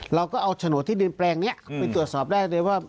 เราก็เอาโฉนดที่ดินแปลงนี้ไปตรวจสอบได้เลยว่า